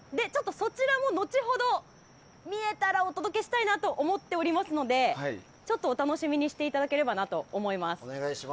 そちらも後ほど見えたらお届けしたいなと思っていますのでちょっとお楽しみにしていただければと思います。